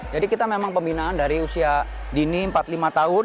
jadi kita memang pembinaan dari usia dini empat puluh lima tahun